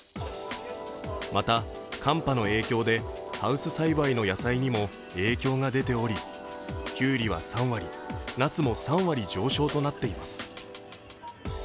また、寒波の影響でハウス栽培の野菜にも影響が出ておりきゅうりは３割、なすも３割上昇となっています。